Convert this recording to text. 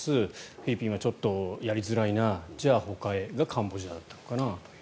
フィリピンはちょっとやりづらいなじゃあほかへがカンボジアだったのかなという。